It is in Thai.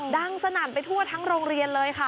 สนั่นไปทั่วทั้งโรงเรียนเลยค่ะ